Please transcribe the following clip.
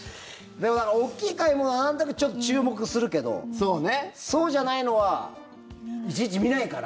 でも、大きい買い物はなんとなくちょっと注目するけどそうじゃないのはいちいち見ないから。